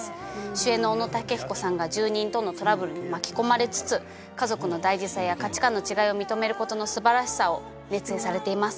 主演の小野武彦さんが住人とのトラブルに巻き込まれつつ家族の大事さや価値観の違いを認めることの素晴らしさを熱演されています